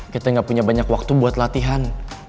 kita gak punya banyak waktu buat latihan